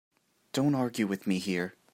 Don't argue with me here.